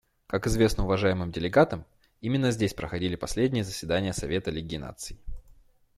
Как известно уважаемым делегатам, именно здесь проходили последние заседания Совета Лиги Наций.